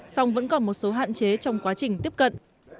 song vẫn còn một số hạn chế trong quá trình tiếp cận